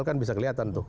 kan bisa kelihatan tuh